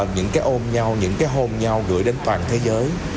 những cái ôm nhau những cái hôn nhau gửi đến toàn thế giới